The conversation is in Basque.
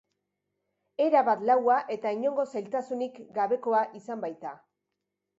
Erabat laua eta inongo zailtasunik gabekoa izan baita.